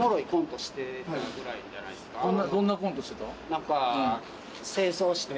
どんなコントしてた？